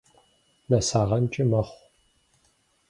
НэсагъэнкӀи мэхъу.